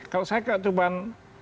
kalau saya ketemuan